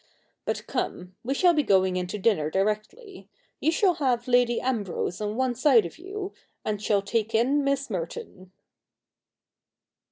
But come, — we shall be going in to dinner directly. You shall have Lady Ambrose on one side of you, and shall take in Miss Merton.'